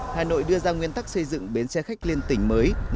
hà nội đưa ra nguyên tắc xây dựng bến xe khách liên tỉnh mới